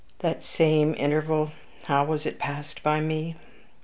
That same interval how was it passed by me?